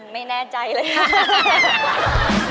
ไม่แน่ใจเลยค่ะ